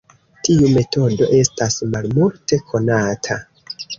Tiu metodo estas malmulte konata.